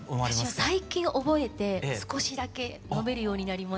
私は最近覚えて少しだけ飲めるようになりました。